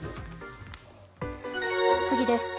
次です。